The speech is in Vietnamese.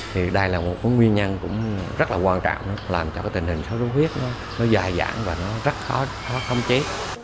thì đây là một cái nguyên nhân cũng rất là quan trọng làm cho cái tình hình xuất xuất huyết nó dài dãng và nó rất khó phong chế